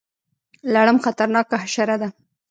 لړم خطرناکه حشره ده